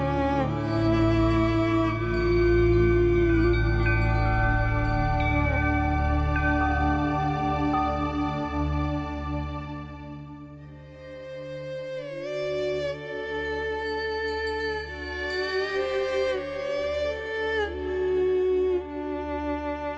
อย่าเห็นแค่พี่ก็ต้องดูกันเท่านั้น